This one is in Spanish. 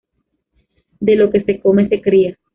De lo que se come se cría